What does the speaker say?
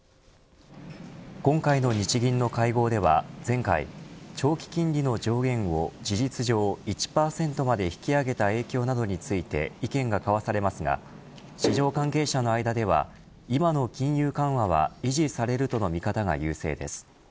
今回の日銀の会合では前回、長期金利の上限を事実上１％まで引き上げた影響などについて意見が交わされますが市場関係者の間では、今の金融緩和は維持されるとの見方が優勢です。